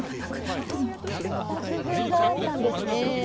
そういった工夫があったんですね。